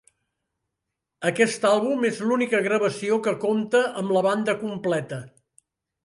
Aquest àlbum és l'única gravació que compte amb la banda completa.